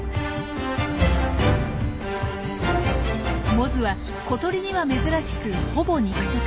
モズは小鳥には珍しくほぼ肉食。